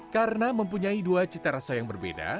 karena mempunyai dua cita rasa yang berbeda